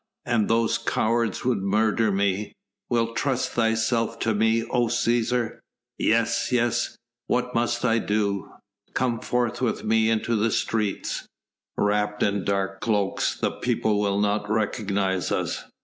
and those cowards would murder me...." "Wilt trust thyself to me, O Cæsar?" "Yes, yes, what must I do?" "Come forth with me into the streets. Wrapped in dark cloaks the people will not recognise us.